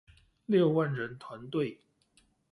六萬人團隊